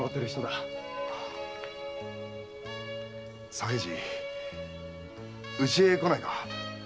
左平次家へ来ないか？